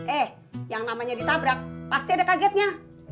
eh yang namanya ditabrak pasti ada kagetnya